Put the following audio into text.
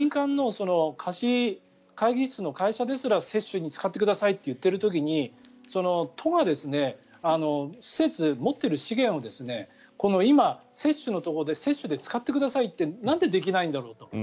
そういうところでも民間の貸し会議室の会社ですら接種に使ってくださいと言っている時に都が施設、持っている資源を今、接種のところで接種で使ってくださいってなんでできないんだろうと。